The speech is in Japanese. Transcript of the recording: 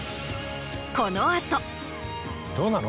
この後。どうなの？